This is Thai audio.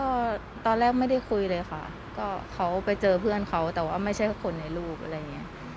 ก็ตอนแรกไม่ได้คุยเลยค่ะก็เขาไปเจอเพื่อนเขาแต่ว่าไม่ใช่แค่คนในรูปอะไรอย่างนี้